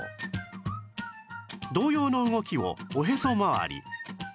同様の動きをおへそ周り